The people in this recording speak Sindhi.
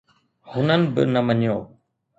هنن به نه مڃيو.